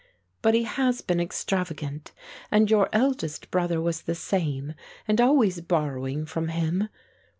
But he has been extravagant and your eldest brother was the same, and always borrowing from him.